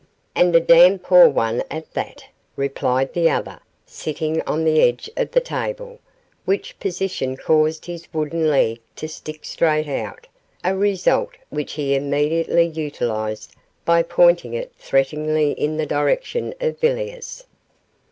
'And a damned poor one at that,' replied the other, sitting on the edge of the table, which position caused his wooden leg to stick straight out, a result which he immediately utilized by pointing it threateningly in the direction of Villiers.